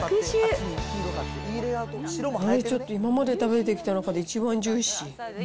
ちょっと、今まで食べてきた中で一番ジューシー。